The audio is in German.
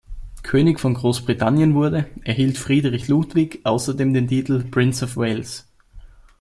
König von Großbritannien wurde, erhielt Friedrich Ludwig außerdem den Titel Prince of Wales.